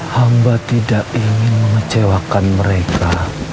hamba tidak ingin mengecewakan mereka